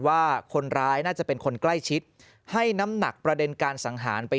ว่าคนร้ายน่าจะเป็นคนใกล้ชิดให้น้ำหนักประเด็นการสังหารไป